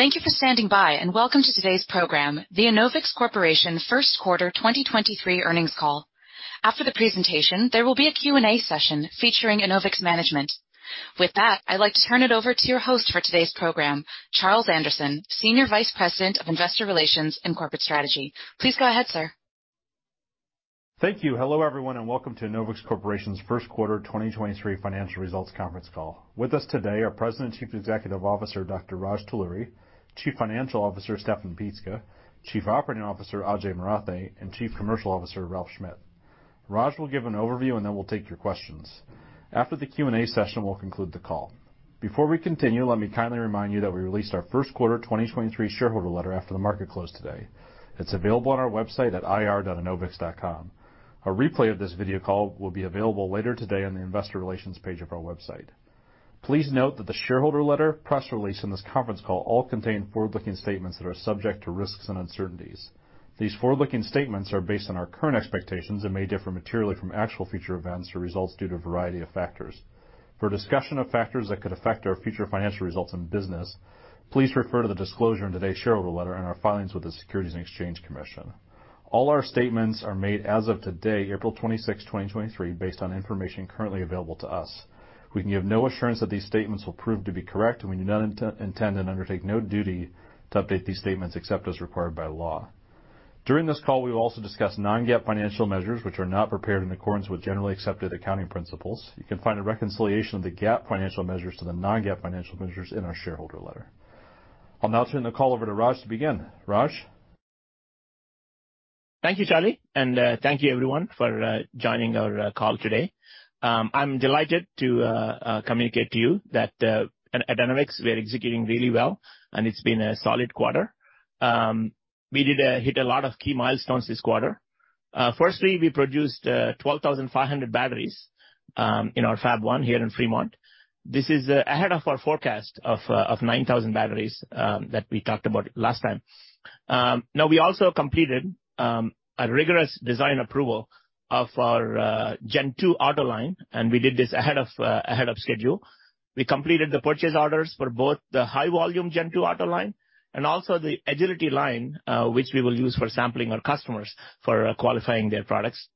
Thank you for standing by, welcome to today's program, the Enovix Corporation first quarter 2023 earnings call. After the presentation, there will be a Q&A session featuring Enovix management. With that, I'd like to turn it over to your host for today's program, Charles Anderson, Senior Vice President of Investor Relations and Corporate Strategy. Please go ahead, sir. Thank you. Hello, everyone, and welcome to Enovix Corporation's first quarter 2023 financial results conference call. With us today are President and Chief Executive Officer, Dr. Raj Talluri, Chief Financial Officer, Steffen Pietzke, Chief Operating Officer, Ajay Marathe, and Chief Commercial Officer, Ralph Schmitt. Raj will give an overview, and then we'll take your questions. After the Q&A session, we'll conclude the call. Before we continue, let me kindly remind you that we released our first quarter 2023 shareholder letter after the market closed today. It's available on our website at ir.enovix.com. A replay of this video call will be available later today on the investor relations page of our website. Please note that the shareholder letter, press release and this conference call all contain forward-looking statements that are subject to risks and uncertainties. These forward-looking statements are based on our current expectations and may differ materially from actual future events or results due to a variety of factors. For a discussion of factors that could affect our future financial results in business, please refer to the disclosure in today's shareholder letter and our filings with the Securities and Exchange Commission. All our statements are made as of today, April 26th, 2023, based on information currently available to us. We can give no assurance that these statements will prove to be correct, and we do not intend and undertake no duty to update these statements except as required by law. During this call, we will also discuss non-GAAP financial measures which are not prepared in accordance with generally accepted accounting principles. You can find a reconciliation of the GAAP financial measures to the non-GAAP financial measures in our shareholder letter. I'll now turn the call over to Raj to begin. Raj? Thank you, Charlie, and thank you everyone for joining our call today. I'm delighted to communicate to you that at Enovix, we are executing really well, and it's been a solid quarter. We did hit a lot of key milestones this quarter. Firstly, we produced 12,500 batteries in our Fab-1 here in Fremont. This is ahead of our forecast of 9,000 batteries that we talked about last time. Now, we also completed a rigorous design approval of our Gen2 auto line, and we did this ahead of schedule. We completed the purchase orders for both the high volume Gen2 auto line and also the Agility Line, which we will use for sampling our customers for qualifying their products.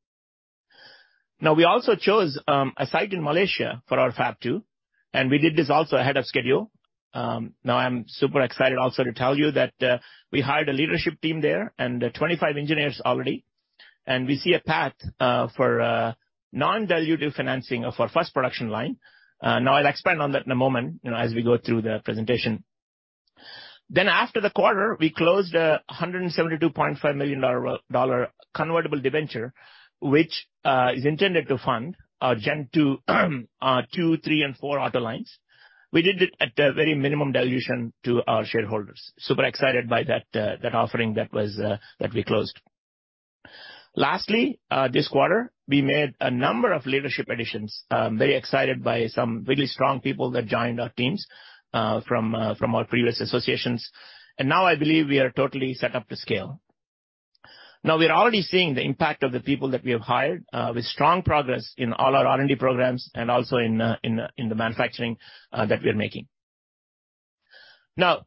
We also chose a site in Malaysia for our Fab-2, and we did this also ahead of schedule. I'm super excited also to tell you that we hired a leadership team there and 25 engineers already, and we see a path for non-dilutive financing of our first production line. I'll expand on that in a moment, you know, as we go through the presentation. After the quarter, we closed a $172.5 million convertible debenture, which is intended to fund our Gen2, 2, 3, and 4 auto lines. We did it at a very minimum dilution to our shareholders. Super excited by that offering that was that we closed. This quarter, we made a number of leadership additions. Very excited by some really strong people that joined our teams from our previous associations, and now I believe we are totally set up to scale. Now, we are already seeing the impact of the people that we have hired with strong progress in all our R&D programs and also in the manufacturing that we are making. Now,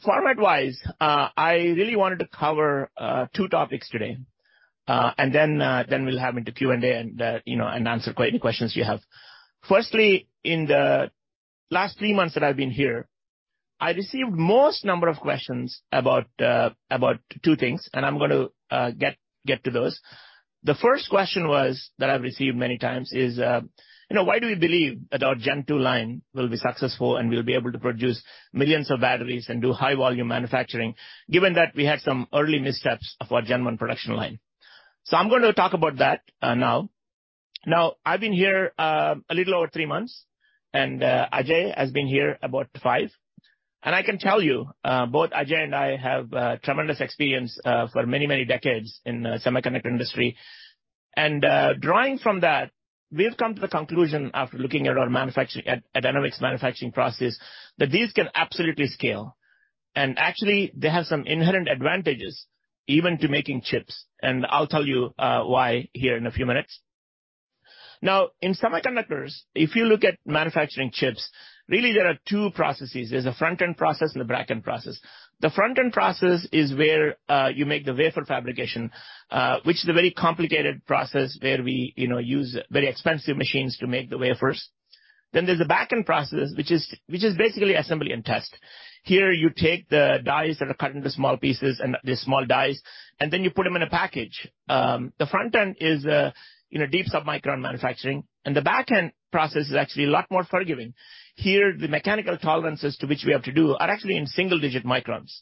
format-wise, I really wanted to cover two topics today, and then we'll have into Q&A and, you know, and answer any questions you have. Firstly, in the last three months that I've been here, I received most number of questions about two things, and I'm gonna get to those. The first question was, that I've received many times, is, you know, why do we believe that our Gen2 line will be successful and we'll be able to produce millions of batteries and do high volume manufacturing, given that we had some early missteps of our Gen1 production line. I'm gonna talk about that now. Now, I've been here, a little over three months, and Ajay has been here about five. I can tell you, both Ajay and I have tremendous experience for many decades in the semiconductor industry. Drawing from that, we've come to the conclusion after looking at our Enovix manufacturing process, that these can absolutely scale. Actually, they have some inherent advantages even to making chips, and I'll tell you why here in a few minutes. Now, in semiconductors, if you look at manufacturing chips, really there are two processes. There's a front-end process and a back-end process. The front-end process is where you make the wafer fabrication, which is a very complicated process where we, you know, use very expensive machines to make the wafers. There's the back-end process, which is basically assembly and test. Here, you take the dies that are cut into small pieces and the small dies, and then you put them in a package. The front end is, you know, deep submicron manufacturing, and the back-end process is actually a lot more forgiving. Here, the mechanical tolerances to which we have to do are actually in single-digit microns.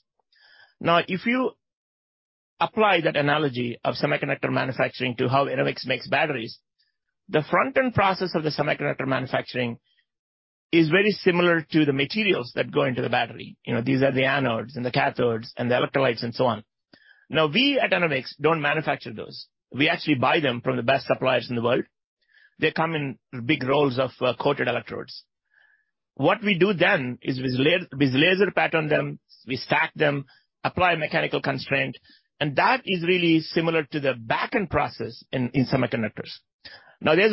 If you apply that analogy of semiconductor manufacturing to how Enovix makes batteries, the front-end process of the semiconductor manufacturing is very similar to the materials that go into the battery. You know, these are the anodes and the cathodes and the electrolytes and so on. We at Enovix don't manufacture those. We actually buy them from the best suppliers in the world. They come in big rolls of coated electrodes. What we do then is we laser pattern them, we stack them, apply mechanical constraint, and that is really similar to the back-end process in semiconductors. There's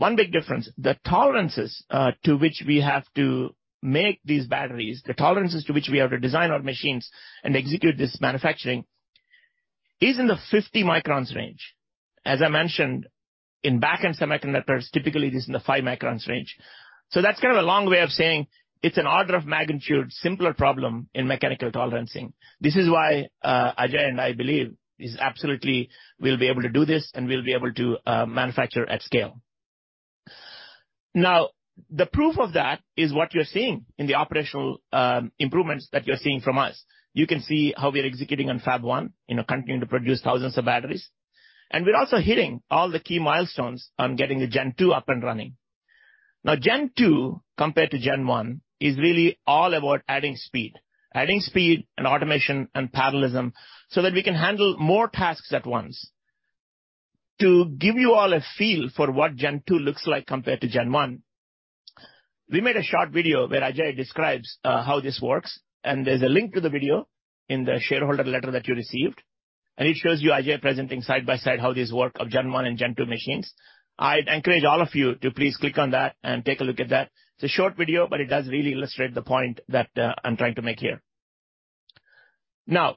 one big difference, the tolerances to which we have to make these batteries, the tolerances to which we have to design our machines and execute this manufacturing is in the 50 microns range. As I mentioned, in backend semiconductors, typically it is in the five microns range. That's kind of a long way of saying it's an order of magnitude simpler problem in mechanical tolerancing. This is why, Ajay and I believe is absolutely we'll be able to do this, and we'll be able to manufacture at scale. The proof of that is what you're seeing in the operational improvements that you're seeing from us. You can see how we are executing on Fab-1, you know, continuing to produce thousands of batteries. We're also hitting all the key milestones on getting the Gen2 up and running. Gen2 compared to Gen1 is really all about adding speed. Adding speed and automation and parallelism so that we can handle more tasks at once. To give you all a feel for what Gen2 looks like compared to Gen1, we made a short video where Ajay describes how this works, and there's a link to the video in the shareholder letter that you received, and it shows you Ajay presenting side by side how these work of Gen1 and Gen2 machines. I'd encourage all of you to please click on that and take a look at that. It's a short video, but it does really illustrate the point that I'm trying to make here. Now,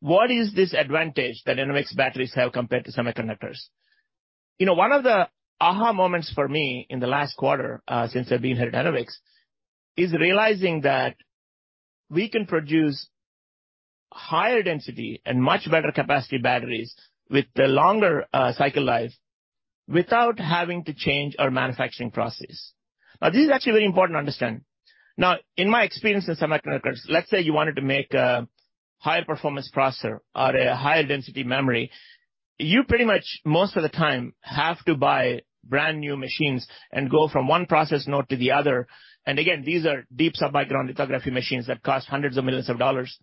what is this advantage that Enovix batteries have compared to semiconductors? You know, one of the aha moments for me in the last quarter, since I've been here at Enovix, is realizing that we can produce higher density and much better capacity batteries with the longer cycle life without having to change our manufacturing process. Now, this is actually very important to understand. Now, in my experience in semiconductors, let's say you wanted to make a high-performance processor or a high-density memory. You pretty much, most of the time, have to buy brand-new machines and go from one process node to the other. Again, these are deep submicron lithography machines that cost hundreds of millions of dollars.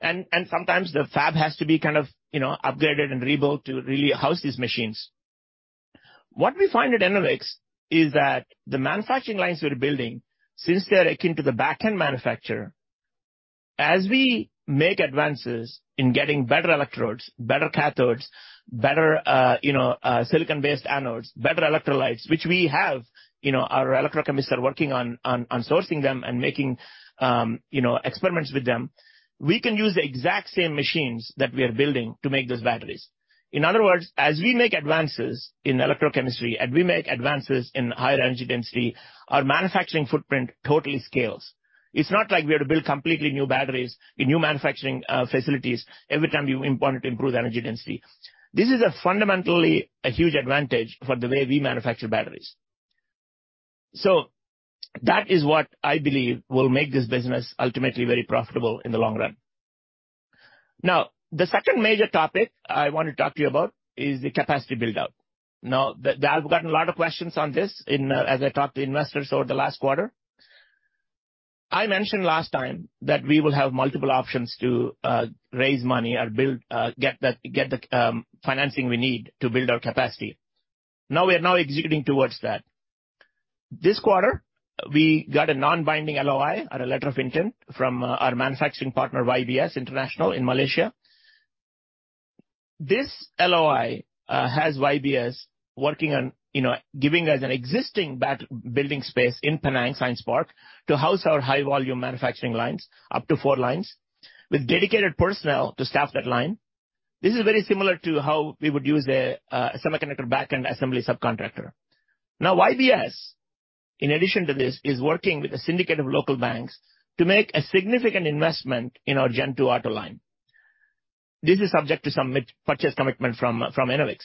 And sometimes the fab has to be kind of, you know, upgraded and rebuilt to really house these machines. What we find at Enovix is that the manufacturing lines we're building, since they're akin to the backend manufacturer, as we make advances in getting better electrodes, better cathodes, better, you know, silicon-based anodes, better electrolytes, which we have, you know, our electrochemists are working on sourcing them and making, you know, experiments with them. We can use the exact same machines that we are building to make those batteries. In other words, as we make advances in electrochemistry, and we make advances in higher energy density, our manufacturing footprint totally scales. It's not like we have to build completely new batteries in new manufacturing facilities every time you want to improve the energy density. This is a fundamentally a huge advantage for the way we manufacture batteries. That is what I believe will make this business ultimately very profitable in the long run. The second major topic I want to talk to you about is the capacity build-out. I've gotten a lot of questions on this in as I talked to investors over the last quarter. I mentioned last time that we will have multiple options to raise money or build, get the financing we need to build our capacity. We are now executing towards that. This quarter, we got a non-binding LOI or a letter of intent from our manufacturing partner, YBS International in Malaysia. This LOI has YBS working on, you know, giving us an existing building space in Penang Science Park to house our high volume manufacturing lines, up to four lines, with dedicated personnel to staff that line. This is very similar to how we would use a semiconductor backend assembly subcontractor. Now, YBS, in addition to this, is working with a syndicate of local banks to make a significant investment in our Gen2 auto line. This is subject to some purchase commitment from Enovix.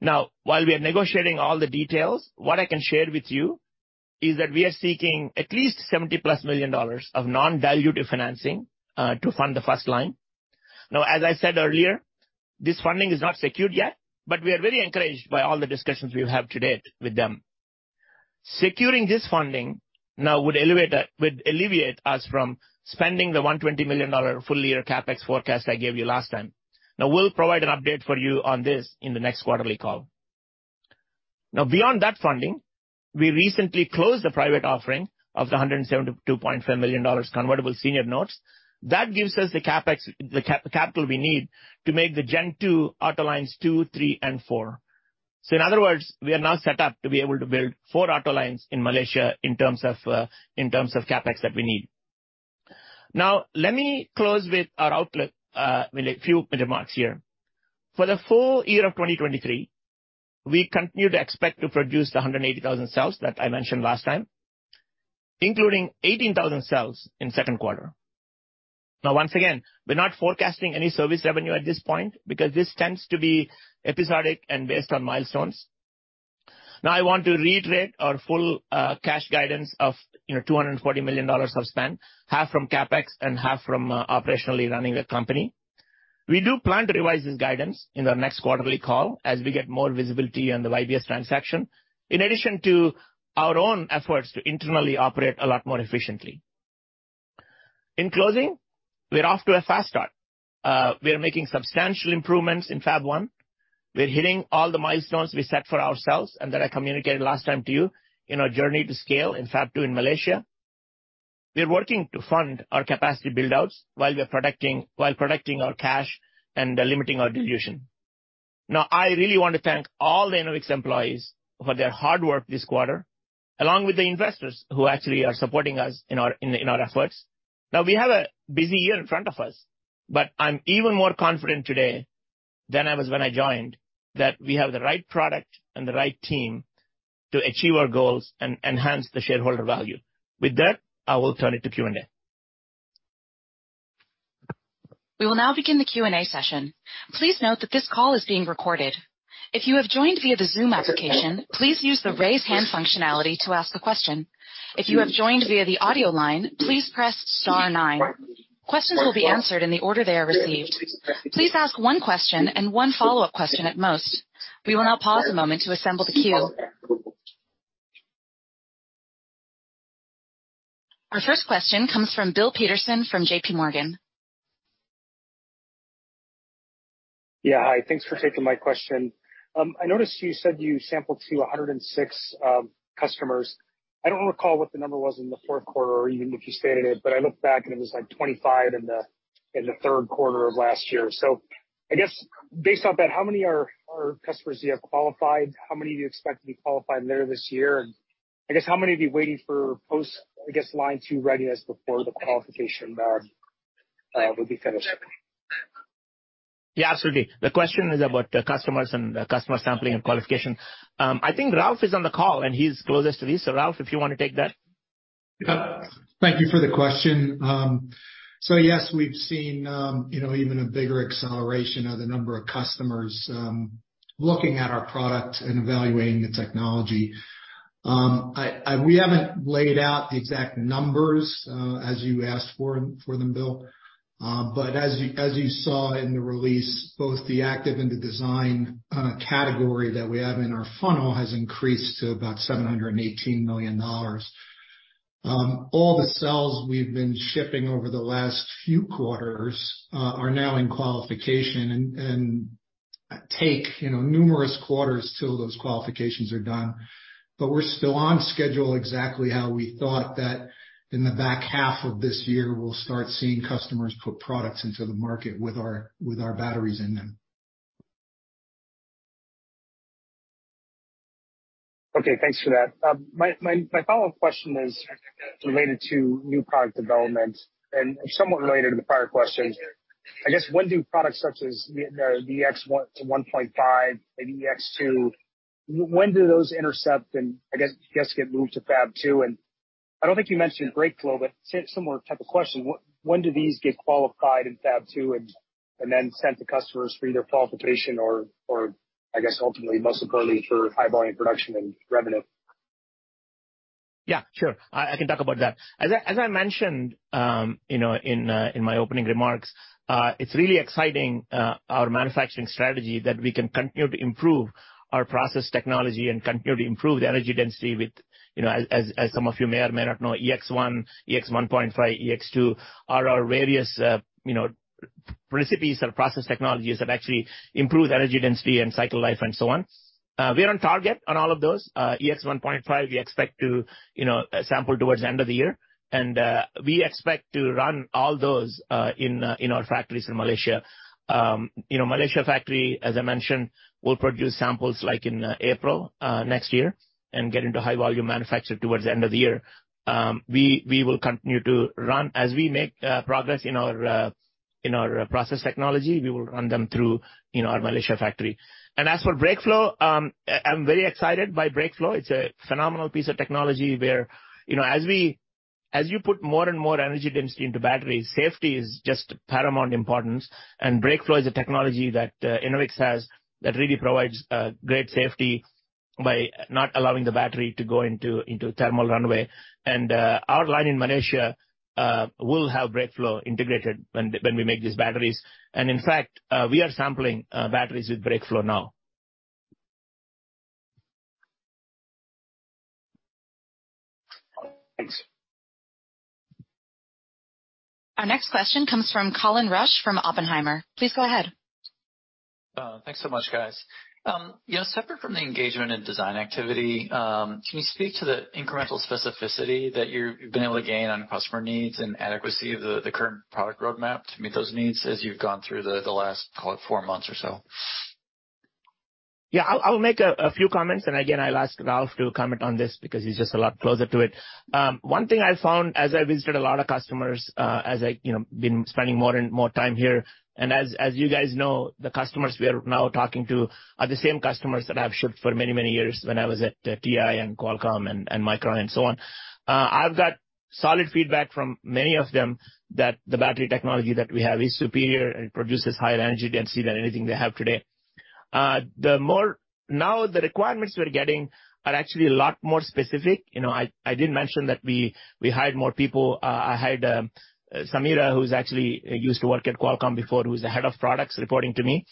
Now, while we are negotiating all the details, what I can share with you is that we are seeking at least $70+ million of non-dilutive financing to fund the first line. Now, as I said earlier, this funding is not secured yet, but we are very encouraged by all the discussions we have to date with them. Securing this funding now would alleviate us from spending the $120 million full year CapEx forecast I gave you last time. Now, we'll provide an update for you on this in the next quarterly call. Beyond that funding, we recently closed a private offering of the $172.4 million convertible senior notes. That gives us the CapEx, the capital we need to make the Gen2 auto lines two, three, and four. In other words, we are now set up to be able to build four auto lines in Malaysia in terms of, in terms of CapEx that we need. Let me close with our outlook, with a few remarks here. For the full year of 2023, we continue to expect to produce the 180,000 cells that I mentioned last time, including 18,000 cells in second quarter. Once again, we're not forecasting any service revenue at this point because this tends to be episodic and based on milestones. I want to reiterate our full cash guidance of, you know, $240 million of spend, half from CapEx and half from operationally running the company. We do plan to revise this guidance in our next quarterly call as we get more visibility on the YBS transaction, in addition to our own efforts to internally operate a lot more efficiently. In closing, we're off to a fast start. We are making substantial improvements in Fab-1. We're hitting all the milestones we set for ourselves and that I communicated last time to you in our journey to scale in Fab-2 in Malaysia. We are working to fund our capacity build-outs while protecting our cash and limiting our dilution. I really want to thank all the Enovix employees for their hard work this quarter, along with the investors who actually are supporting us in our efforts. We have a busy year in front of us, but I'm even more confident today than I was when I joined that we have the right product and the right team to achieve our goals and enhance the shareholder value. With that, I will turn it to Q&A. We will now begin the Q&A session. Please note that this call is being recorded. If you have joined via the Zoom application, please use the raise hand functionality to ask the question. If you have joined via the audio line, please press star nine. Questions will be answered in the order they are received. Please ask one question and one follow-up question at most. We will now pause a moment to assemble the queue. Our first question comes from Bill Peterson from JPMorgan. Yeah. Hi. Thanks for taking my question. I noticed you said you sampled to 106 customers. I don't recall what the number was in the fourth quarter or even if you stated it, but I looked back, and it was like 25 in the, in the third quarter of last year. I guess based off that, how many are customers you have qualified? How many do you expect to be qualified later this year? I guess how many are you waiting for post, I guess, line two readiness before the qualification will be finished? Yeah, absolutely. The question is about customers and customer sampling and qualification. I think Ralph is on the call, and he's closest to this. Ralph, if you wanna take that. Thank you for the question. Yes, we've seen, you know, even a bigger acceleration of the number of customers looking at our product and evaluating the technology. We haven't laid out the exact numbers as you asked for them, Bill. As you saw in the release, both the active and the design category that we have in our funnel has increased to about $718 million. All the cells we've been shipping over the last few quarters are now in qualification and take, you know, numerous quarters till those qualifications are done. We're still on schedule exactly how we thought that in the back half of this year, we'll start seeing customers put products into the market with our batteries in them. Okay. Thanks for that. my follow-up question is related to new product development and somewhat related to the prior question. I guess when do products such as the EX1 to EX1.5 and EX2, when do those intercept and I guess get moved to Fab-2? I don't think you mentioned BrakeFlow, but similar type of question. When do these get qualified in Fab-2 and then sent to customers for either qualification or I guess ultimately, most importantly, for high volume production and revenue? Yeah, sure. I can talk about that. As I mentioned, you know, in my opening remarks, it's really exciting, our manufacturing strategy that we can continue to improve our process technology and continue to improve the energy density with, you know, as some of you may or may not know, EX1.5, EX2 are our various, you know, recipes or process technologies that actually improve energy density and cycle life and so on. We are on target on all of those. EX1.5, we expect to, you know, sample towards the end of the year. We expect to run all those in our factories in Malaysia. You know, Malaysia factory, as I mentioned, will produce samples like in April next year and get into high volume manufacture towards the end of the year. We will continue to run. As we make progress in our process technology, we will run them through, you know, our Malaysia factory. As for BrakeFlow, I'm very excited by BrakeFlow. It's a phenomenal piece of technology where, you know, as you put more and more energy density into batteries, safety is just paramount importance. BrakeFlow is a technology that Enovix has that really provides great safety by not allowing the battery to go into thermal runaway. Our line in Malaysia will have BrakeFlow integrated when we make these batteries. In fact, we are sampling batteries with BrakeFlow now. Thanks. Our next question comes from Colin Rusch from Oppenheimer. Please go ahead. Thanks so much, guys. you know, separate from the engagement and design activity, can you speak to the incremental specificity that you've been able to gain on customer needs and adequacy of the current product roadmap to meet those needs as you've gone through the last, call it four months or so? Yeah. I'll make a few comments. Again, I'll ask Ralph to comment on this because he's just a lot closer to it. One thing I found as I visited a lot of customers, as I, you know, been spending more and more time here. As you guys know, the customers we are now talking to are the same customers that I've shipped for many, many years when I was at TI and Qualcomm and Micron and so on. I've got solid feedback from many of them that the battery technology that we have is superior and produces higher energy density than anything they have today. Now, the requirements we're getting are actually a lot more specific. You know, I did mention that we hired more people. I hired Samira, who's actually used to work at Qualcomm before, who is the head of products, reporting to me.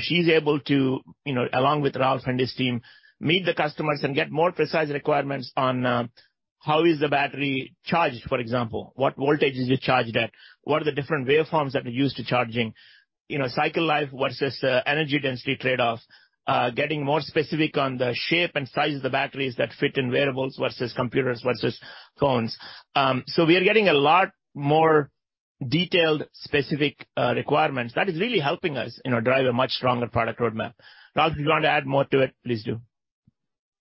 She's able to, you know, along with Ralph and his team, meet the customers and get more precise requirements on how is the battery charged, for example. What voltage is it charged at? What are the different waveforms that we use to charging? You know, cycle life versus energy density trade-off. Getting more specific on the shape and size of the batteries that fit in wearables versus computers versus phones. We are getting Detailed specific requirements, that is really helping us, you know, drive a much stronger product roadmap. Ralph, if you want to add more to it, please do.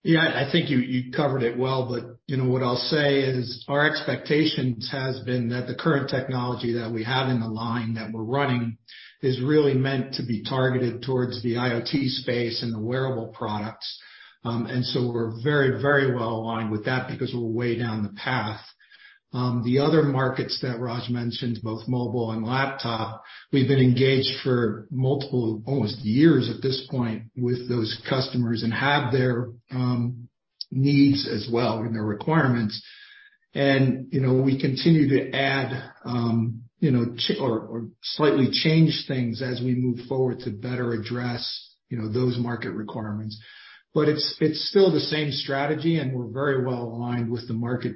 Yeah. I think you covered it well, but, you know, what I'll say is our expectations has been that the current technology that we have in the line that we're running is really meant to be targeted towards the IoT space and the wearable products. We're very, very well aligned with that because we're way down the path. The other markets that Raj mentioned, both mobile and laptop, we've been engaged for multiple, almost years at this point, with those customers and have their needs as well and their requirements. You know, we continue to add, you know, or slightly change things as we move forward to better address, you know, those market requirements. It's still the same strategy, and we're very well aligned with the market,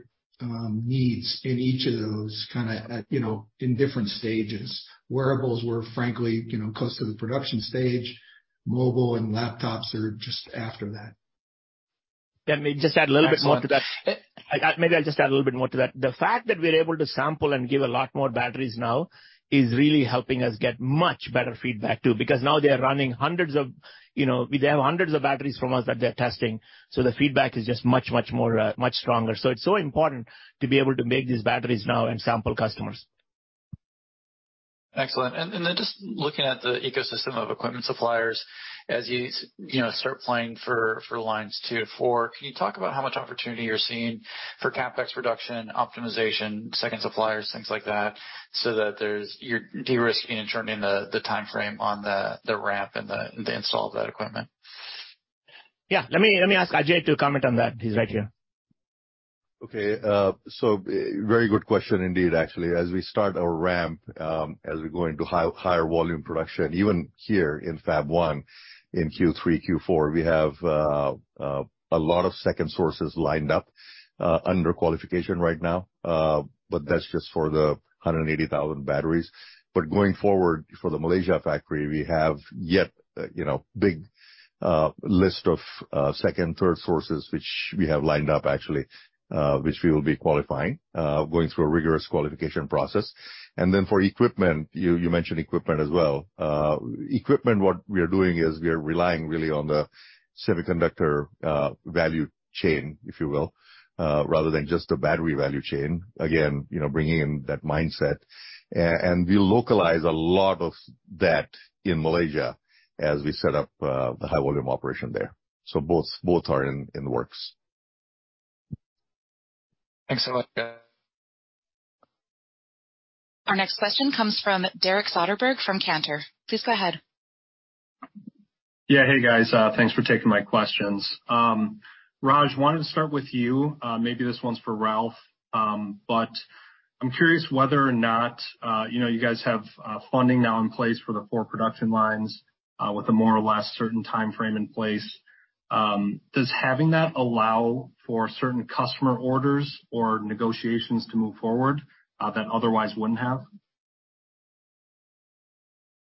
needs in each of those kinda at, you know, in different stages. Wearables we're frankly, you know, close to the production stage. Mobile and laptops are just after that. Let me just add a little bit more to that. Maybe I'll just add a little bit more to that. The fact that we're able to sample and give a lot more batteries now is really helping us get much better feedback too, because now they're running hundreds of, you know, they have hundreds of batteries from us that they're testing, so the feedback is just much more, much stronger. It's so important to be able to make these batteries now and sample customers. Excellent. Then just looking at the ecosystem of equipment suppliers as you know, start planning for lines two to four, can you talk about how much opportunity you're seeing for CapEx reduction, optimization, second suppliers, things like that, so that you're de-risking and shortening the timeframe on the ramp and the install of that equipment? Yeah. Let me ask Ajay to comment on that. He's right here. Okay. Very good question indeed, actually. As we start our ramp, as we go into high, higher volume production, even here in Fab-1, in Q3, Q4, we have a lot of second sources lined up under qualification right now. That's just for the 180,000 batteries. Going forward, for the Malaysia factory we have yet, you know, big list of second, third sources which we have lined up actually, which we will be qualifying, going through a rigorous qualification process. For equipment, you mentioned equipment as well. Equipment, what we are doing is we are relying really on the semiconductor value chain, if you will, rather than just the battery value chain. Again, you know, bringing in that mindset. We localize a lot of that in Malaysia as we set up the high volume operation there. Both are in the works. Thanks so much, guys. Our next question comes from Derek Soderberg from Cantor. Please go ahead. Yeah. Hey, guys. Thanks for taking my questions. Raj, wanted to start with you. Maybe this one's for Ralph, but I'm curious whether or not, you know, you guys have funding now in place for the four production lines with a more or less certain timeframe in place. Does having that allow for certain customer orders or negotiations to move forward that otherwise wouldn't have?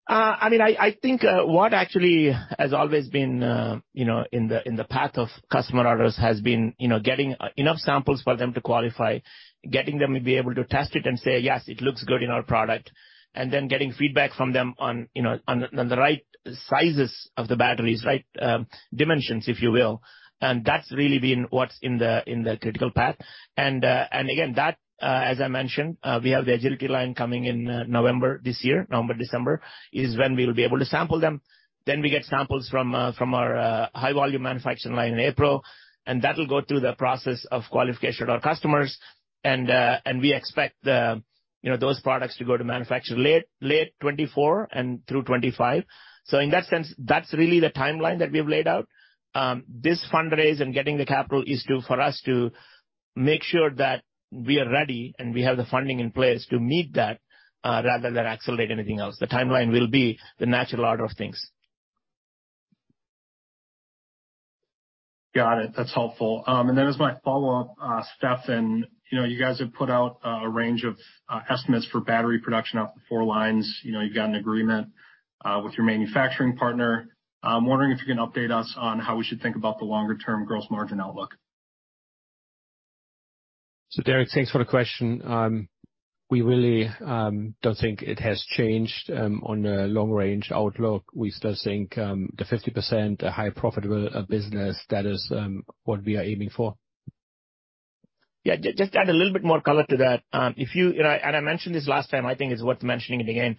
I mean, I think, what actually has always been, you know, in the, in the path of customer orders has been, you know, getting enough samples for them to qualify, getting them to be able to test it and say, "Yes. It looks good in our product." Then getting feedback from them on, you know, on the, on the right sizes of the batteries, right, dimensions, if you will. That's really been what's in the, in the critical path. Again, that, as I mentioned, we have the Agility Line coming in, November this year. November, December is when we'll be able to sample them. Then we get samples from our, high volume manufacturing line in April, that'll go through the process of qualification of our customers. We expect the, you know, those products to go to manufacture late 2024 and through 2025. In that sense, that's really the timeline that we have laid out. This fundraise and getting the capital is to, for us to make sure that we are ready and we have the funding in place to meet that, rather than accelerate anything else. The timeline will be the natural order of things. Got it. That's helpful. Then as my follow-up, Steffen, you know, you guys have put out a range of estimates for battery production off the four lines. You know, you've got an agreement with your manufacturing partner. I'm wondering if you can update us on how we should think about the longer term gross margin outlook. Derek, thanks for the question. We really don't think it has changed on the long range outlook. We still think the 50%, a high profitable business, that is what we are aiming for. Yeah. Just to add a little bit more color to that. If you know, and I mentioned this last time, I think it's worth mentioning it again.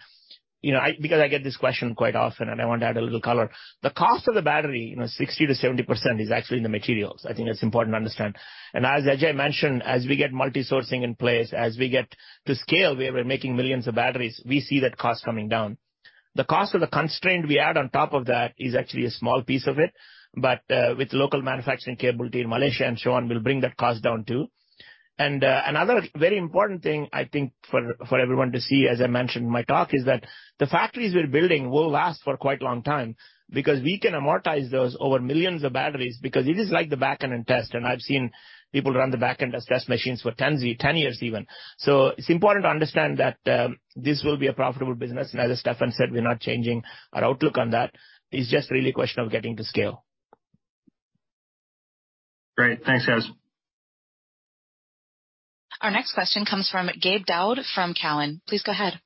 You know, because I get this question quite often, and I want to add a little color. The cost of the battery, you know, 60%-70% is actually in the materials. I think that's important to understand. And as Ajay mentioned, as we get multi-sourcing in place, as we get to scale, where we're making millions of batteries, we see that cost coming down. The cost of the constraint we add on top of that is actually a small piece of it, but with local manufacturing capability in Malaysia and so on, we'll bring that cost down, too. Another very important thing, I think for everyone to see, as I mentioned in my talk, is that the factories we're building will last for quite a long time because we can amortize those over millions of batteries because it is like the backend in test, and I've seen people run the backend as test machines for 10 years even. It's important to understand that this will be a profitable business. As Steffen said, we're not changing our outlook on that. It's just really a question of getting to scale. Great. Thanks, guys. Our next question comes from Gabe Daoud from Cowen. Please go ahead.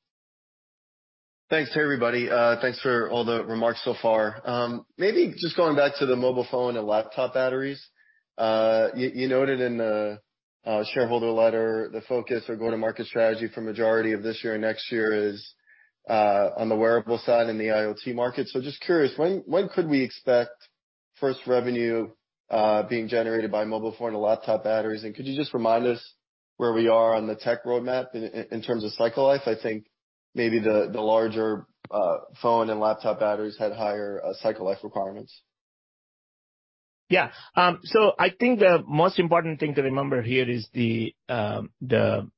Thanks to everybody. thanks for all the remarks so far. Maybe just going back to the mobile phone and laptop batteries. You noted in the shareholder letter the focus or go-to-market strategy for majority of this year and next year is on the wearable side in the IoT market. Just curious, when could we expect first revenue being generated by mobile phone and laptop batteries? Could you just remind us where we are on the tech roadmap in terms of cycle life? I think maybe the larger phone and laptop batteries had higher cycle life requirements. Yeah. I think the most important thing to remember here is the timeline,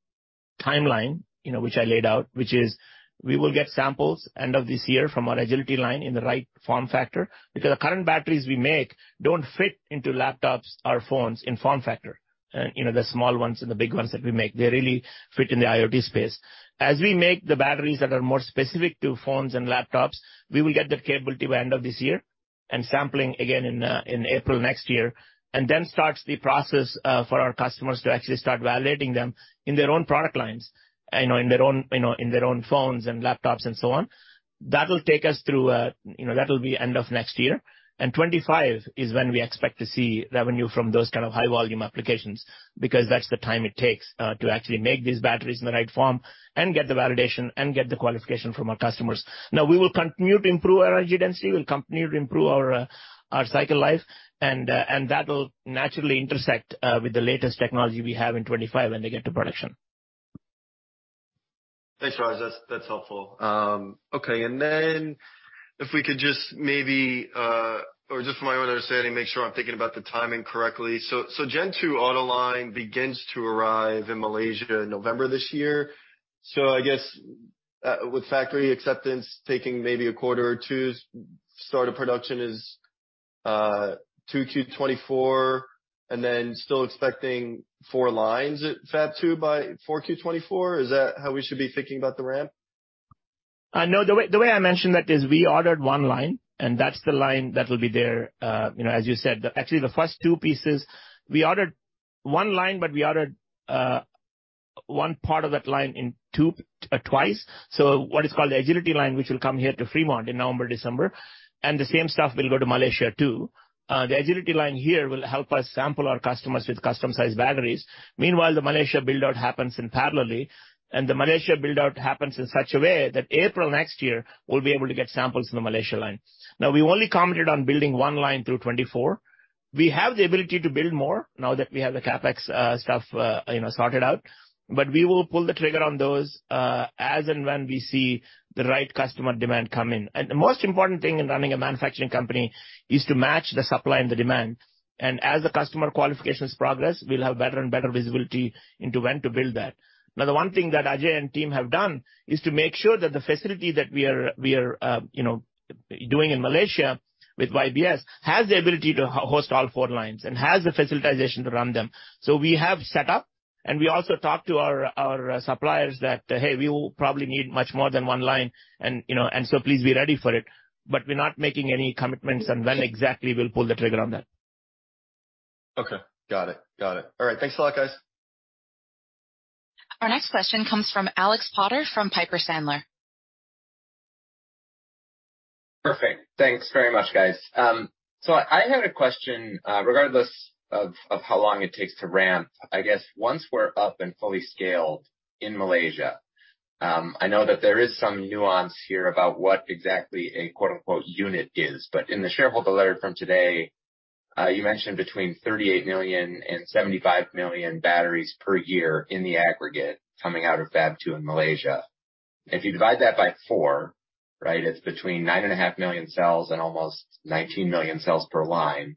you know, which I laid out, which is we will get samples end of this year from our Agility Line in the right form factor, because the current batteries we make don't fit into laptops or phones in form factor. You know, the small ones and the big ones that we make, they really fit in the IoT space. As we make the batteries that are more specific to phones and laptops, we will get that capability by end of this year and sampling again in April next year, then starts the process for our customers to actually start validating them in their own product lines and in their own, you know, in their own phones and laptops and so on. That'll take us through, you know, that'll be end of next year. 2025 is when we expect to see revenue from those kind of high volume applications, because that's the time it takes to actually make these batteries in the right form and get the validation and get the qualification from our customers. Now, we will continue to improve our energy density. We'll continue to improve our cycle life, that will naturally intersect with the latest technology we have in 2025 when they get to production. Thanks, Raj. That's helpful. Okay. If we could just maybe just for my own understanding, make sure I'm thinking about the timing correctly. Gen2 auto line begins to arrive in Malaysia November this year. I guess with factory acceptance taking maybe a quarter or two, start of production is 2Q 2024, and then still expecting four lines at Fab-2 by 4Q 2024? Is that how we should be thinking about the ramp? No. The way I mentioned that is we ordered one line, and that's the line that will be there, you know, as you said. Actually, the first two pieces, we ordered 1 line, but we ordered one part of that line twice. What is called the Agility Line, which will come here to Fremont in November, December, and the same stuff will go to Malaysia too. The Agility Line here will help us sample our customers with custom-sized batteries. Meanwhile, the Malaysia build-out happens in parallel, and the Malaysia build-out happens in such a way that April next year we'll be able to get samples in the Malaysia line. We only commented on building 1 line through 2024. We have the ability to build more now that we have the CapEx stuff, you know, sorted out, but we will pull the trigger on those as and when we see the right customer demand come in. The most important thing in running a manufacturing company is to match the supply and the demand. As the customer qualifications progress, we'll have better and better visibility into when to build that. Now, the one thing that Ajay and team have done is to make sure that the facility that we are, you know, doing in Malaysia with YBS has the ability to host all four lines and has the facilitization to run them. We have set up, and we also talked to our suppliers that, hey, we will probably need much more than one line and you know, please be ready for it. We're not making any commitments on when exactly we'll pull the trigger on that. Okay. Got it. Got it. All right. Thanks a lot, guys. Our next question comes from Alex Potter from Piper Sandler. Perfect. Thanks very much, guys. I had a question regardless of how long it takes to ramp. I guess once we're up and fully scaled in Malaysia, I know that there is some nuance here about what exactly a quote-unquote unit is. In the shareholder letter from today, you mentioned between 38 million and 75 million batteries per year in the aggregate coming out of Fab-2 in Malaysia. If you divide that by four, right? It's between 9.5 million cells and almost 19 million cells per line.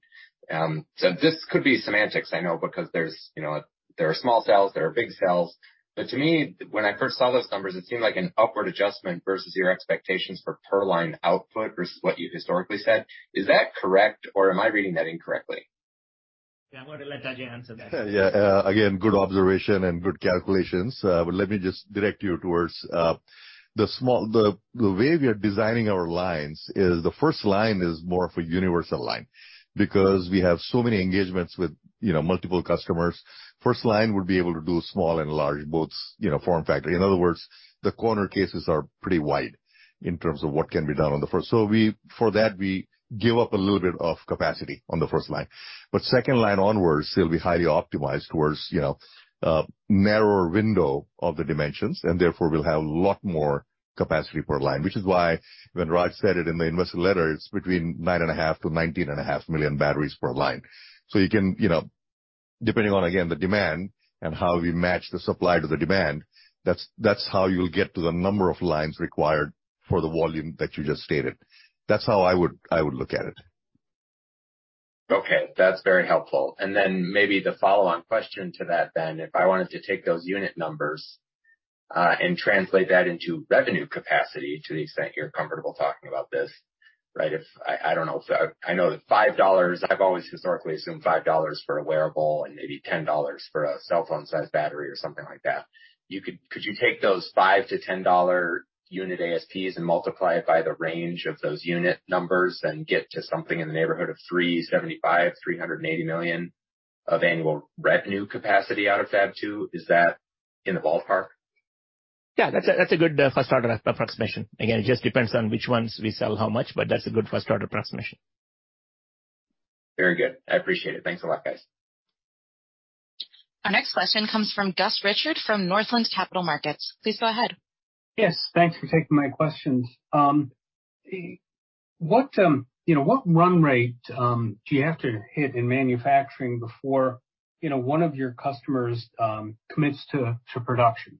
This could be semantics, I know, because there's, you know, there are small cells, there are big cells. To me, when I first saw those numbers, it seemed like an upward adjustment versus your expectations for per line output versus what you historically said. Is that correct, or am I reading that incorrectly? Yeah. I'm going to let Ajay answer that. Yeah. Again, good observation and good calculations. Let me just direct you towards the way we are designing our lines is the first line is more of a universal line because we have so many engagements with, you know, multiple customers. First line would be able to do small and large, both, you know, form factor. In other words, the corner cases are pretty wide in terms of what can be done on the first. So we, for that, we give up a little bit of capacity on the first line. Second line onwards, it'll be highly optimized towards, you know, narrower window of the dimensions, and therefore, we'll have a lot more capacity per line, which is why when Raj said it in the investor letter, it's between 9.5 million to 19.5 million batteries per line. You can, you know, depending on, again, the demand and how we match the supply to the demand, that's how you'll get to the number of lines required for the volume that you just stated. That's how I would look at it. Okay. That's very helpful. Maybe the follow-on question to that then. If I wanted to take those unit numbers, and translate that into revenue capacity, to the extent you're comfortable talking about this, right? If I don't know. I know that $5. I've always historically assumed $5 for a wearable and maybe $10 for a cell phone size battery or something like that. Could you take those $5-$10 unit ASPs and multiply it by the range of those unit numbers and get to something in the neighborhood of $375 million-$380 million of annual revenue capacity out of Fab-2? Is that in the ballpark? Yeah, that's a good, first order approximation. It just depends on which ones we sell how much, but that's a good first order approximation. Very good. I appreciate it. Thanks a lot, guys. Our next question comes from Gus Richard from Northland Capital Markets. Please go ahead. Yes, thanks for taking my questions. What, you know, what run rate do you have to hit in manufacturing before, you know, one of your customers commits to production?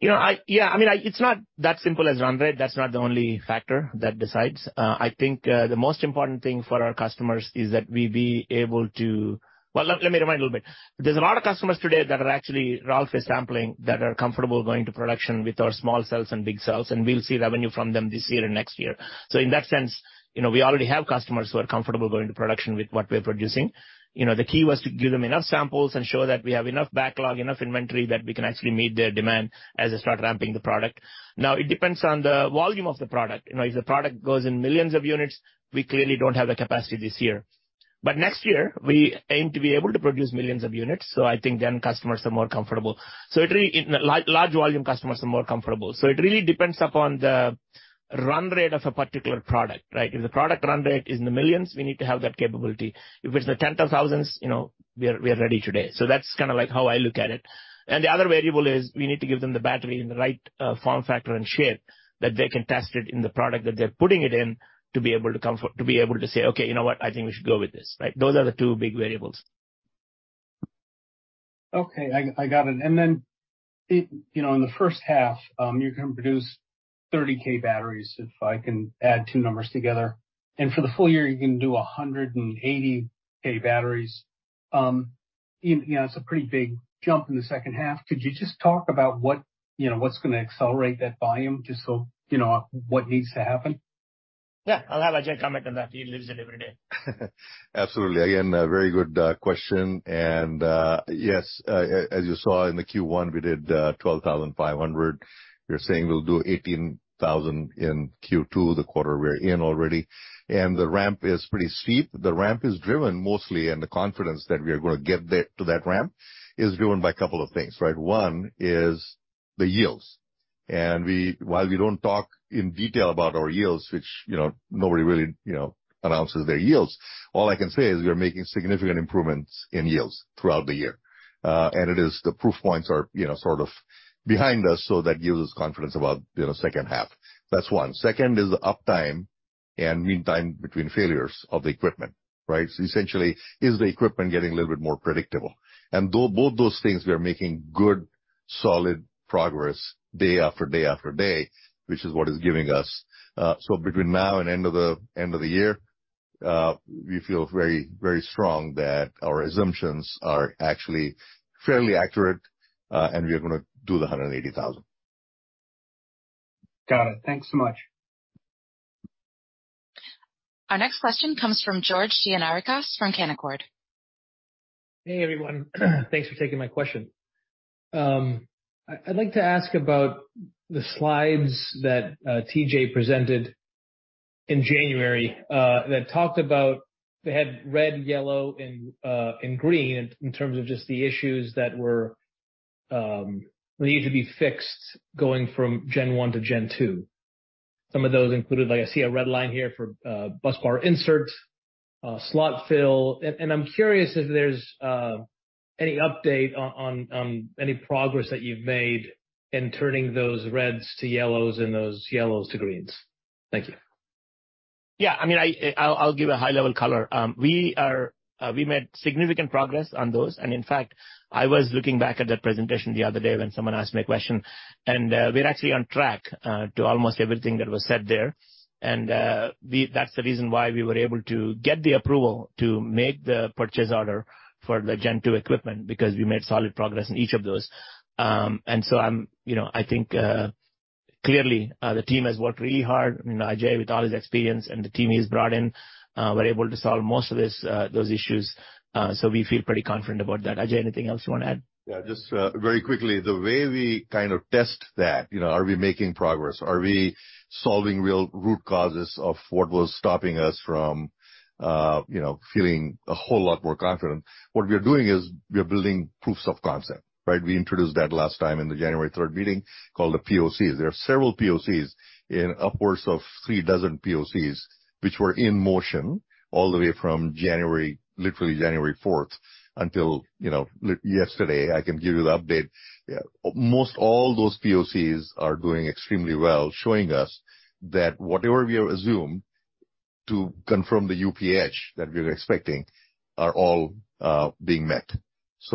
You know, I mean, it's not that simple as run rate. That's not the only factor that decides. I think the most important thing for our customers is that we be able to. Well, let me remind a little bit. There's a lot of customers today that are actually, Ralph is sampling, that are comfortable going to production with our small cells and big cells, and we'll see revenue from them this year and next year. In that sense, you know, we already have customers who are comfortable going to production with what we're producing. You know, the key was to give them enough samples and show that we have enough backlog, enough inventory that we can actually meet their demand as they start ramping the product. It depends on the volume of the product. You know, if the product goes in millions of units, we clearly don't have the capacity this year. Next year we aim to be able to produce millions of units, so I think then customers are more comfortable. Large volume customers are more comfortable. It really depends upon the run rate of a particular product, right? If the product run rate is in the millions, we need to have that capability. If it's the tens of thousands, you know, we are ready today. That's kinda like how I look at it. The other variable is we need to give them the battery in the right form, factor and shape that they can test it in the product that they're putting it in to be able to say, "Okay, you know what? I think we should go with this." Right? Those are the two big variables. Okay, I got it. Then, you know, in the first half, you're gonna produce 30K batteries, if I can add two numbers together. For the full year, you're gonna do 180K batteries. You know, it's a pretty big jump in the second half. Could you just talk about what, you know, what's gonna accelerate that volume, just so you know what needs to happen? Yeah. I'll have Ajay comment on that. He lives it every day. Absolutely. Again, a very good question. Yes, as you saw in the Q1, we did 12,500. We're saying we'll do 18,000 in Q2, the quarter we're in already. The ramp is pretty steep. The ramp is driven mostly, and the confidence that we are going to get there, to that ramp, is driven by a couple of things, right? One is the yields. While we don't talk in detail about our yields, which, you know, nobody really, you know, announces their yields, all I can say is we are making significant improvements in yields throughout the year. It is the proof points are, you know, sort of behind us, so that gives us confidence about, you know, second half. That's one. Second is the uptime and meantime between failures of the equipment, right? Essentially, is the equipment getting a little bit more predictable? Though both those things, we are making good, solid progress day after day after day, which is what is giving us. Between now and end of the year, we feel very, very strong that our assumptions are actually fairly accurate, and we are gonna do the 180,000. Got it. Thanks so much. Our next question comes from George Gianarikas from Canaccord. Hey, everyone. Thanks for taking my question. I'd like to ask about the slides that T.J. presented in January, that talked about. They had red, yellow, and green in terms of just the issues that were needed to be fixed going from Gen1 to Gen2. Some of those included, like I see a red line here for busbar inserts, slot fill. I'm curious if there's any update on any progress that you've made in turning those reds to yellows and those yellows to greens. Thank you. Yeah, I mean, I'll give a high-level color. We are, we made significant progress on those. In fact, I was looking back at that presentation the other day when someone asked me a question, we're actually on track to almost everything that was said there. That's the reason why we were able to get the approval to make the purchase order for the Gen2 equipment, because we made solid progress in each of those. I'm, you know, I think, clearly, the team has worked really hard. Ajay, with all his experience and the team he's brought in, were able to solve most of this, those issues. We feel pretty confident about that. Ajay, anything else you wanna add? Yeah, just very quickly, the way we kind of test that, you know, are we making progress? Are we solving real root causes of what was stopping us from, you know, feeling a whole lot more confident? What we are doing is we are building proofs of concept, right? We introduced that last time in the January third meeting called the POCs. There are several POCs in upwards of 3 dozen POCs, which were in motion all the way from January, literally January fourth until, you know, yesterday. I can give you the update. Most all those POCs are doing extremely well, showing us that whatever we assume to confirm the UPH that we are expecting are all being met.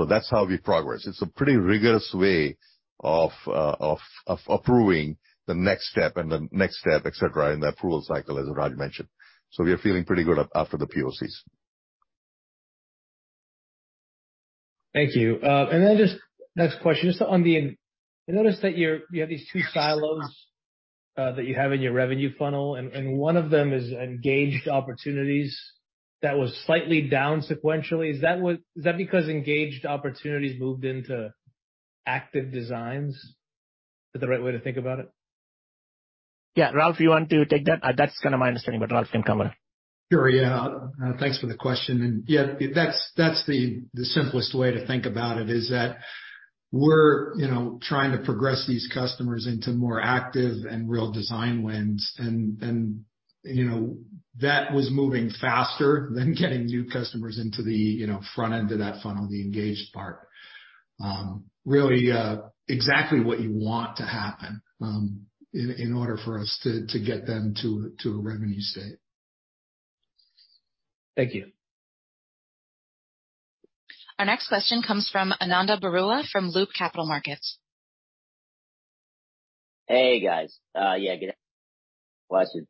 That's how we progress. It's a pretty rigorous way of approving the next step and the next step, et cetera, in the approval cycle, as Raj mentioned. We are feeling pretty good after the POCs. Thank you. Next question, just on the... I noticed that you have these two silos that you have in your revenue funnel, and one of them is engaged opportunities. That was slightly down sequentially. Is that because engaged opportunities moved into active designs? Is the right way to think about it? Yeah, Ralph, you want to take that? That's kinda my understanding, but Ralph can come in. Sure. Yeah. Thanks for the question. Yeah, that's the simplest way to think about it, is that we're, you know, trying to progress these customers into more active and real design wins. You know, that was moving faster than getting new customers into the, you know, front end of that funnel, the engaged part. Really, exactly what you want to happen, in order for us to get them to a revenue state. Thank you. Our next question comes from Ananda Baruah from Loop Capital Markets. Hey, guys. Yeah, good afternoon.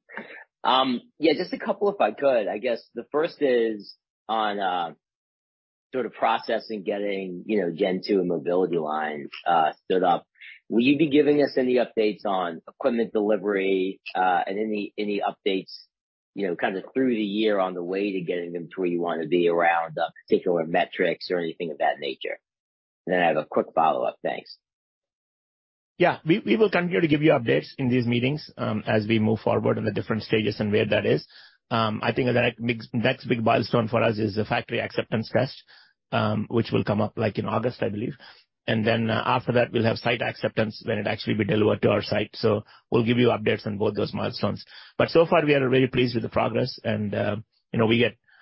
Listen, yeah, just a couple, if I could. I guess the first is on, sort of processing getting, you know, Gen2 and mobility line, stood up. Will you be giving us any updates on equipment delivery, and any updates, you know, kind of through the year on the way to getting them to where you wanna be around particular metrics or anything of that nature? I have a quick follow-up. Thanks. Yeah. We will continue to give you updates in these meetings as we move forward in the different stages and where that is. I think the next big milestone for us is the factory acceptance test, which will come up, like, in August, I believe. After that we'll have site acceptance when it actually be delivered to our site. We'll give you updates on both those milestones. So far, we are very pleased with the progress and, you know,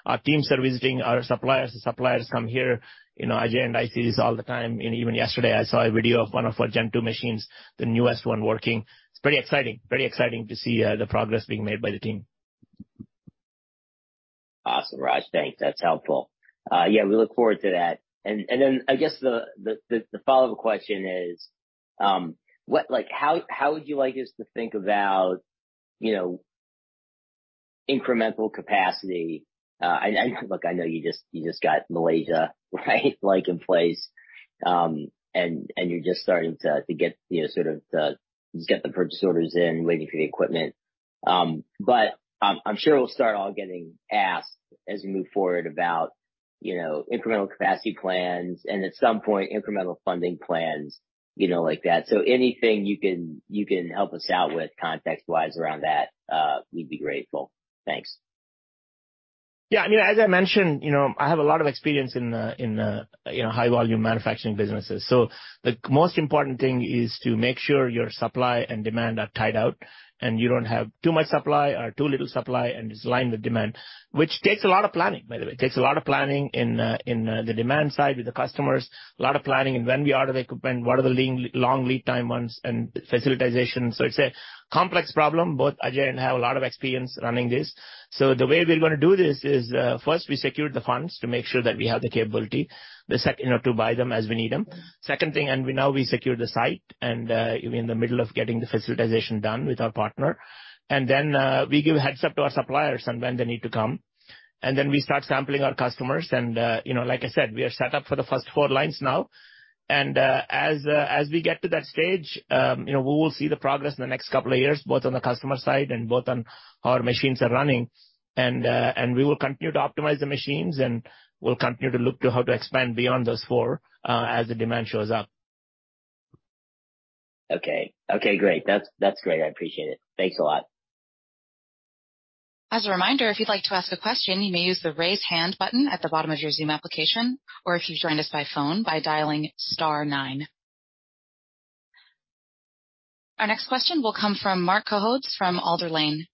Our teams are visiting our suppliers, the suppliers come here. You know, Ajay and I see this all the time, and even yesterday I saw a video of one of our Gen2 machines, the newest one working. It's pretty exciting. Very exciting to see the progress being made by the team. Awesome, Raj. Thanks. That's helpful. Yeah, we look forward to that. Then I guess the follow-up question is, how would you like us to think about, you know, incremental capacity? Look, I know you just got Malaysia, right, like in place, and you're just starting to get, you know, You get the purchase orders in, waiting for the equipment. I'm sure we'll start all getting asked as we move forward about, you know, incremental capacity plans and at some point incremental funding plans, you know, like that. Anything you can help us out with context-wise around that, we'd be grateful. Thanks. I mean, as I mentioned, you know, I have a lot of experience in, you know, high volume manufacturing businesses. The most important thing is to make sure your supply and demand are tied out, and you don't have too much supply or too little supply, and it's aligned with demand, which takes a lot of planning, by the way. It takes a lot of planning in the demand side with the customers, a lot of planning in when we order the equipment and what are the long lead time ones and facilitation. It's a complex problem. Both Ajay and I have a lot of experience running this. The way we're gonna do this is, first we secure the funds to make sure that we have the capability, you know, to buy them as we need them. Second thing, we now secure the site, in the middle of getting the facilitization done with our partner. Then we give a heads-up to our suppliers on when they need to come. Then we start sampling our customers. You know, like I said, we are set up for the first four lines now. As we get to that stage, you know, we will see the progress in the next couple of years, both on the customer side and both on how our machines are running. We will continue to optimize the machines, and we'll continue to look to how to expand beyond those four as the demand shows up. Okay. Okay, great. That's great. I appreciate it. Thanks a lot. As a reminder, if you'd like to ask a question, you may use the Raise Hand button at the bottom of your Zoom application or if you've joined us by phone, by dialing star nine. Our next question will come from Marc Cohodes from Alder Lane.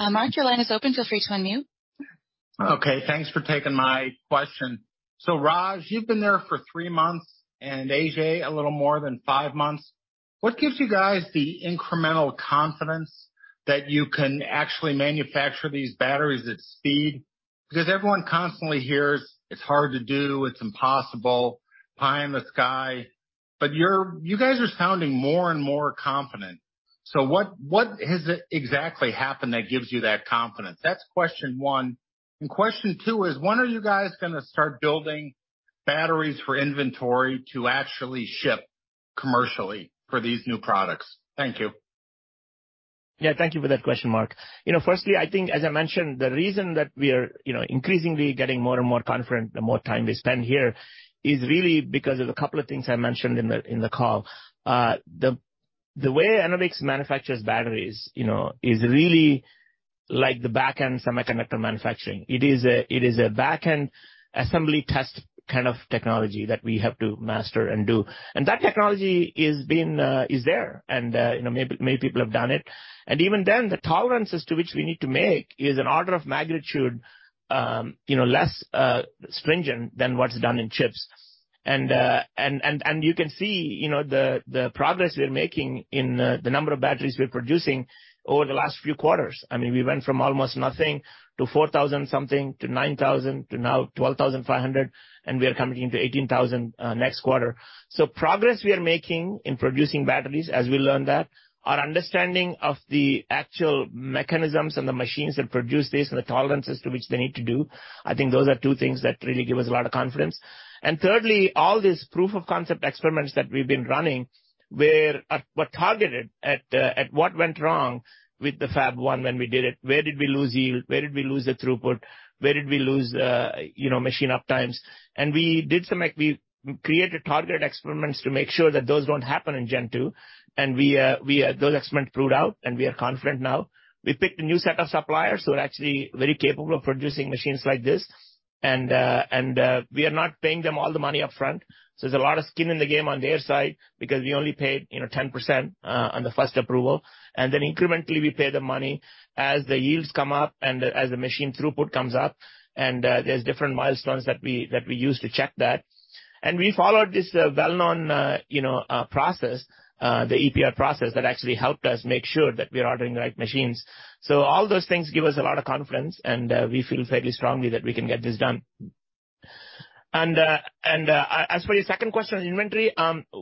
Mark, your line is open. Feel free to unmute. Thanks for taking my question. Raj, you've been there for three months, and Ajay a little more than five months. What gives you guys the incremental confidence that you can actually manufacture these batteries at speed? Because everyone constantly hears it's hard to do, it's impossible, pie in the sky, but you guys are sounding more and more confident. What has exactly happened that gives you that confidence? That's question one. Question two is, when are you guys gonna start building batteries for inventory to actually ship commercially for these new products? Thank you. Yeah. Thank you for that question, Marc. You know, firstly, I think, as I mentioned, the reason that we are, you know, increasingly getting more and more confident the more time we spend here is really because of a couple of things I mentioned in the, in the call. The way Enovix manufactures batteries, you know, is really like the back-end semiconductor manufacturing. It is a back-end assembly test kind of technology that we have to master and do. That technology is been there, you know, many, many people have done it. Even then, the tolerances to which we need to make is an order of magnitude, you know, less stringent than what's done in chips. You can see, you know, the progress we are making in the number of batteries we're producing over the last few quarters. I mean, we went from almost nothing to 4,000 something, to 9,000, to now 12,500, and we are coming into 18,000 next quarter. Progress we are making in producing batteries as we learn that. Our understanding of the actual mechanisms and the machines that produce this and the tolerances to which they need to do, I think those are two things that really give us a lot of confidence. Thirdly, all these proof of concept experiments that we've been running, were targeted at what went wrong with the Fab-1 when we did it. Where did we lose yield? Where did we lose the throughput? Where did we lose, you know, machine uptimes? We created targeted experiments to make sure that those don't happen in Gen2. Those experiments proved out, and we are confident now. We picked a new set of suppliers who are actually very capable of producing machines like this. We are not paying them all the money upfront. There's a lot of skin in the game on their side because we only paid, you know, 10% on the first approval. Incrementally we pay the money as the yields come up and as the machine throughput comes up. There's different milestones that we use to check that. We followed this well-known, you know, process, the EPR process that actually helped us make sure that we are ordering the right machines. All those things give us a lot of confidence, and we feel fairly strongly that we can get this done. As for your second question on inventory,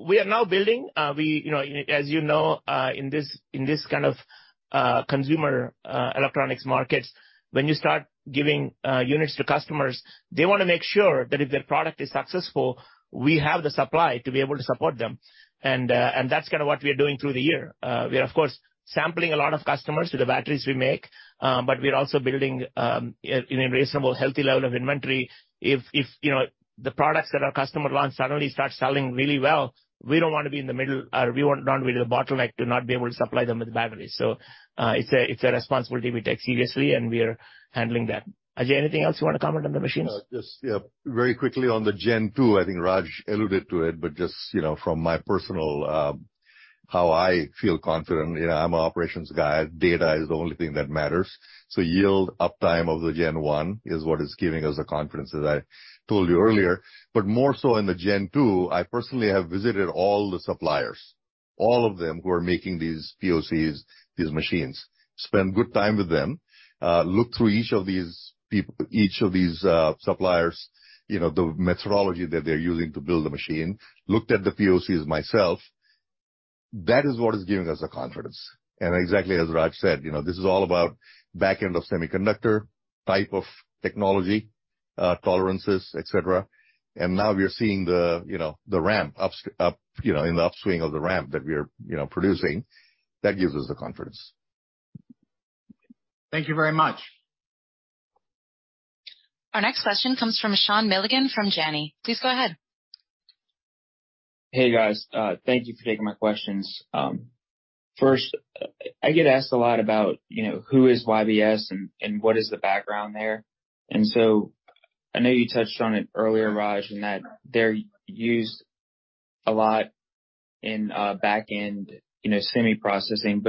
we are now building, we, you know, as you know, in this kind of, consumer electronics markets, when you start giving, units to customers, they wanna make sure that if their product is successful, we have the supply to be able to support them. That's kinda what we are doing through the year. We are of course, sampling a lot of customers to the batteries we make, but we're also building a reasonable healthy level of inventory. If you know, the products that our customer wants suddenly starts selling really well, we won't run with a bottleneck to not be able to supply them with batteries. It's a, it's a responsibility we take seriously, and we are handling that. Ajay, anything else you wanna comment on the machines? Just, yeah, very quickly on the Gen2, I think Raj alluded to it, just, you know, from my personal, how I feel confident, you know, I'm a operations guy. Data is the only thing that matters. Yield uptime of the Gen1 is what is giving us the confidence, as I told you earlier. More so in the Gen2, I personally have visited all the suppliers, all of them who are making these POCs, these machines. Spent good time with them, looked through each of these suppliers, you know, the methodology that they're using to build the machine. Looked at the POCs myself. That is what is giving us the confidence. Exactly as Raj said, you know, this is all about back-end of semiconductor type of technology, tolerances, et cetera. Now we are seeing the, you know, the ramp up, you know, in the upswing of the ramp that we are, you know, producing. That gives us the confidence. Thank you very much. Our next question comes from Sean Milligan from Janney. Please go ahead. Hey, guys. Thank you for taking my questions. First, I get asked a lot about, you know, who is YBS and what is the background there. I know you touched on it earlier, Raj, and that they're used a lot in back-end, you know, semi processing.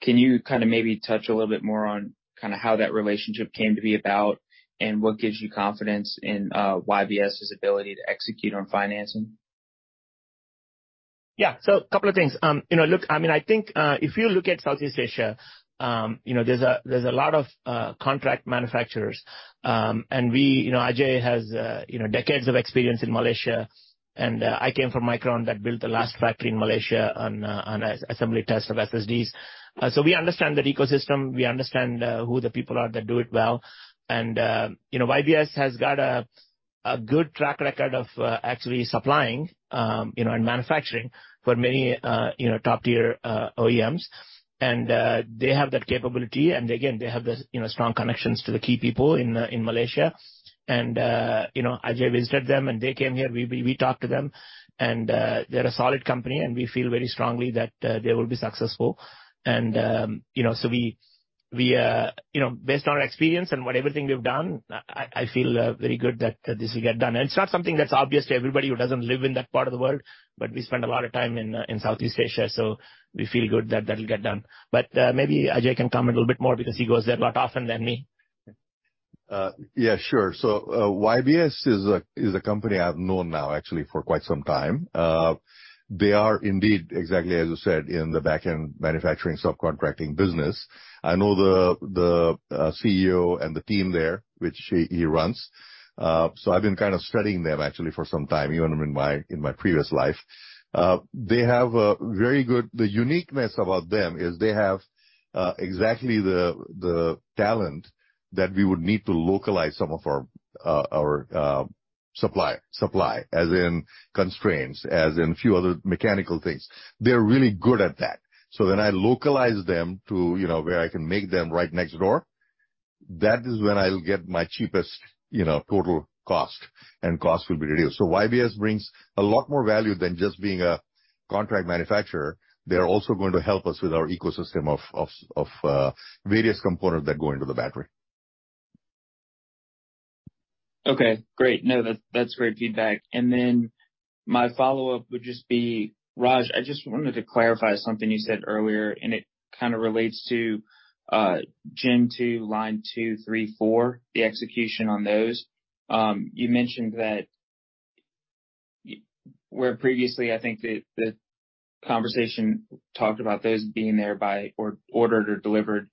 Can you kind of maybe touch a little bit more on kinda how that relationship came to be about, and what gives you confidence in YBS's ability to execute on financing? Yeah. A couple of things. You know, look, I mean, I think, if you look at Southeast Asia, you know, there's a lot of contract manufacturers. We, you know, Ajay has, you know, decades of experience in Malaysia, and I came from Micron that built the last factory in Malaysia on assembly test of SSDs. We understand that ecosystem. We understand who the people are that do it well. You know, YBS has got a good track record of actually supplying, you know, and manufacturing for many, you know, top-tier OEMs. They have that capability. Again, they have the, you know, strong connections to the key people in Malaysia. You know, Ajay visited them and they came here. We talked to them. They're a solid company, and we feel very strongly that they will be successful. You know, so we, you know, based on our experience and what everything we've done, I feel very good that this will get done. It's not something that's obvious to everybody who doesn't live in that part of the world, but we spend a lot of time in Southeast Asia, so we feel good that that'll get done. Maybe Ajay can comment a little bit more because he goes there a lot often than me. Yeah, sure. YBS is a company I've known now actually for quite some time. They are indeed exactly as you said, in the back-end manufacturing, subcontracting business. I know the CEO and the team there, which he runs. I've been kind of studying them actually for some time, even when I'm in my previous life. The uniqueness about them is they have exactly the talent that we would need to localize some of our supply as in constraints, as in a few other mechanical things. They're really good at that. I localize them to, you know, where I can make them right next door. That is when I'll get my cheapest, you know, total cost and cost will be reduced. YBS brings a lot more value than just being a contract manufacturer. They are also going to help us with our ecosystem of various components that go into the battery. Okay, great. No, that's great feedback. My follow-up would just be, Raj, I just wanted to clarify something you said earlier, and it kind of relates to Gen2, line 2, 3, 4, the execution on those. You mentioned that where previously I think the conversation talked about those being there by or ordered or delivered in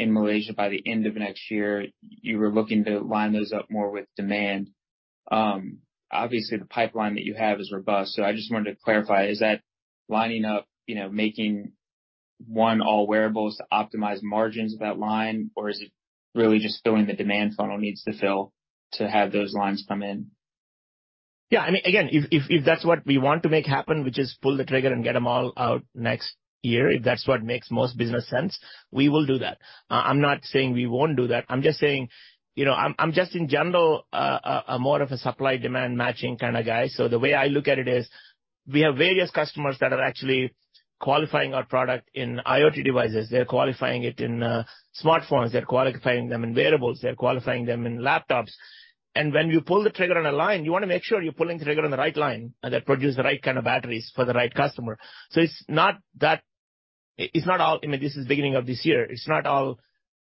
Malaysia by the end of next year. You were looking to line those up more with demand. Obviously the pipeline that you have is robust. I just wanted to clarify, is that lining up, you know, making 1 all wearables to optimize margins of that line? Or is it really just filling the demand funnel needs to fill to have those lines come in? Yeah. I mean, again, if, if that's what we want to make happen, we just pull the trigger and get them all out next year. If that's what makes most business sense, we will do that. I'm not saying we won't do that. I'm just saying, you know, I'm just in general a more of a supply demand matching kinda guy. The way I look at it is we have various customers that are actually qualifying our product in IoT devices, they're qualifying it in smartphones, they're qualifying them in wearables, they're qualifying them in laptops. When you pull the trigger on a line, you wanna make sure you're pulling the trigger on the right line that produce the right kind of batteries for the right customer. It's not that. It's not all. I mean, this is the beginning of this year. It's not all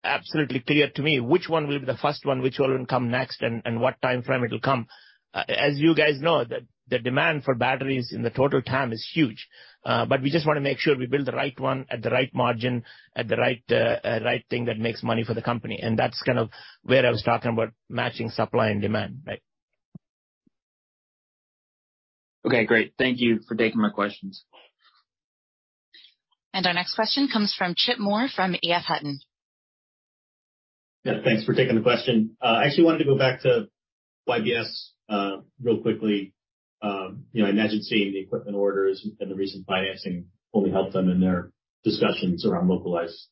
absolutely clear to me which one will be the first one, which one will come next, and what timeframe it'll come. As you guys know, the demand for batteries in the total TAM is huge. We just wanna make sure we build the right one at the right margin, at the right right thing that makes money for the company. That's kind of where I was talking about matching supply and demand. Right. Okay, great. Thank you for taking my questions. Our next question comes from Chip Moore from EF Hutton. Yeah, thanks for taking the question. I actually wanted to go back to YBS real quickly. You know, I imagine seeing the equipment orders and the recent financing only helped them in their discussions around localized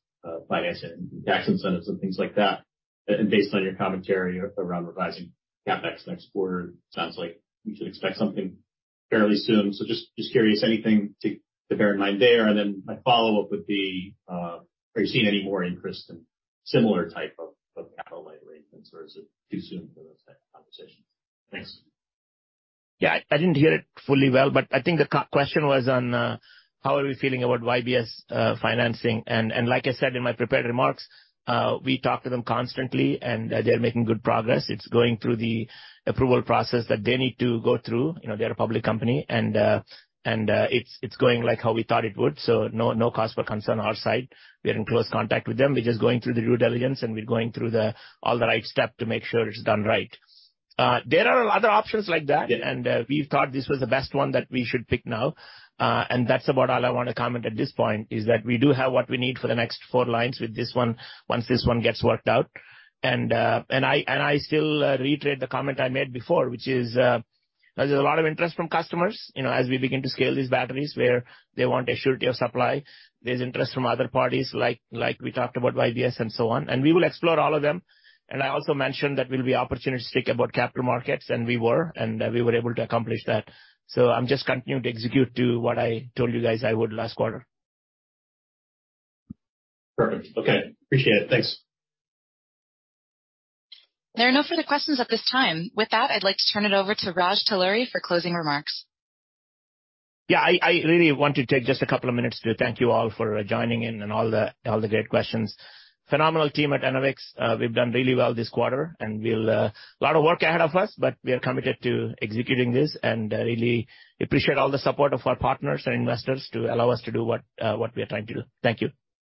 financing, tax incentives and things like that. Based on your commentary around revising CapEx next quarter, it sounds like we should expect something fairly soon. Just curious, anything to bear in mind there? My follow-up would be, are you seeing any more interest in similar type of capital light rate, is it too soon for those type of conversations? Thanks. Yeah. I didn't hear it fully well, but I think the co-question was on, how are we feeling about YBS financing. Like I said in my prepared remarks, we talk to them constantly, and they're making good progress. It's going through the approval process that they need to go through. You know, they're a public company, and it's going like how we thought it would. No, no cause for concern on our side. We are in close contact with them. We're just going through the due diligence, and we're going through all the right step to make sure it's done right. There are other options like that, and we thought this was the best one that we should pick now. that's about all I wanna comment at this point, is that we do have what we need for the next four lines with this one, once this one gets worked out. I still reiterate the comment I made before, which is, there's a lot of interest from customers, you know, as we begin to scale these batteries where they want assurance of supply. There's interest from other parties like we talked about YBS and so on, and we will explore all of them. I also mentioned that we'll be opportunistic about capital markets, and we were able to accomplish that. I'm just continuing to execute to what I told you guys I would last quarter. Perfect. Okay. Appreciate it. Thanks. There are no further questions at this time. With that, I'd like to turn it over to Raj Talluri for closing remarks. Yeah. I really want to take just a couple of minutes to thank you all for joining in and all the, all the great questions. Phenomenal team at Enovix. We've done really well this quarter, and lot of work ahead of us, but we are committed to executing this and really appreciate all the support of our partners and investors to allow us to do what we are trying to do. Thank you.